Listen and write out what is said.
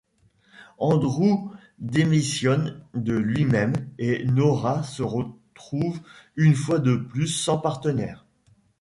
Andrew démissionne de lui-même et Nora se retrouve une fois de plus sans partenaire.